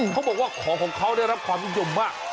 เขาบอกว่าของของเขาได้รับความนิยมมาก